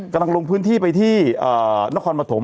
กำลังลงพื้นที่ไปที่นครปฐม